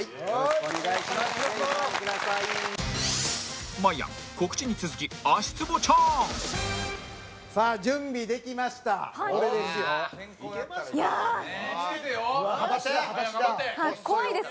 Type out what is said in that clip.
お願いします。